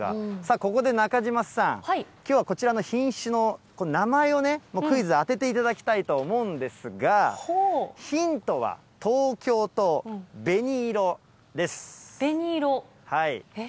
ここで中島さん、きょうはこちらの品種の名前をね、クイズ、当てていただきたいと思うんですが、ヒントは、紅色？